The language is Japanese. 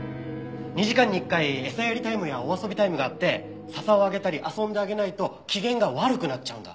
２時間に１回餌やりタイムやお遊びタイムがあって笹をあげたり遊んであげないと機嫌が悪くなっちゃうんだ。